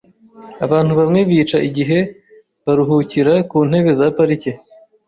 Abantu bamwe bica igihe baruhukira ku ntebe za parike .